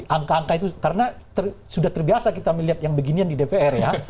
angka angka itu karena sudah terbiasa kita melihat yang beginian di dpr ya